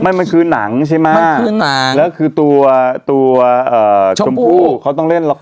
ไม่มันคือหนังใช่ไหมมันคือหนังแล้วคือตัวตัวชมพู่เขาต้องเล่นละคร